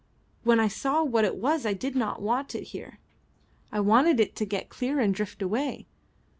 When I saw what it was I did not want it here. I wanted it to get clear and drift away.